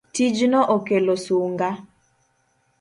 Tijno okelo sunga